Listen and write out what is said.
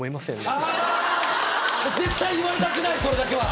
絶対言われたくないそれだけは。